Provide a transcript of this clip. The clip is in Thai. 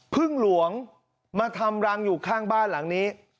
พึ่งหลวงมาทำรังอยู่ข้างบ้านหลังนี้